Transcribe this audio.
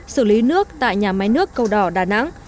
xử lý nước tại nhà máy nước cầu đỏ đà nẵng